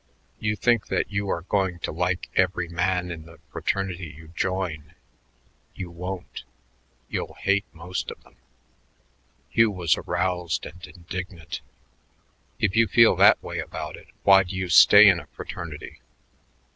You think that you are going to like every man in the fraternity you join. You won't. You'll hate some of them." Hugh was aroused and indignant. "If you feel that way about it, why do you stay in a fraternity?"